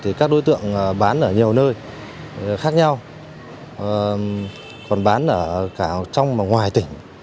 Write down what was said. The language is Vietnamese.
nhiều nơi khác nhau còn bán ở cả trong và ngoài tỉnh